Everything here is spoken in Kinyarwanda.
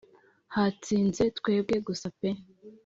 hatsinze twebwe gusa pe